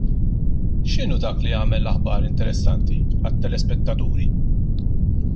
X'inhu dak li jagħmel aħbar interessanti għat-telespettaturi?